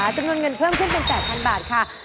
จำนวนเงินเพิ่มขึ้นเป็น๘๐๐๐บาทค่ะ